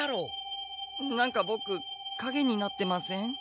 何かボクかげになってません？